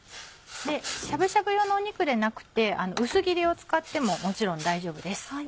しゃぶしゃぶ用の肉でなくて薄切りを使ってももちろん大丈夫です。